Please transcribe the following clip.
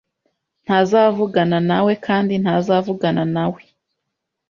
Ntazavugana na we kandi ntazavugana na we.